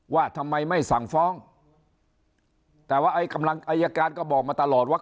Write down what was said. ว่าทำไมไม่สั่งฟ้องแต่ว่าไอ้กำลังอายการก็บอกมาตลอดว่า